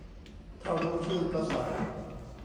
ถ้ารู้ชื่อก็ใส่